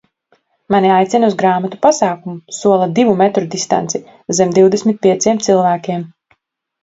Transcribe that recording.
Mani aicina uz grāmatu pasākumu, sola divu metru distanci, zem divdesmit pieciem cilvēkiem.